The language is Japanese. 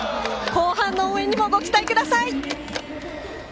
後半の応援にもご期待ください。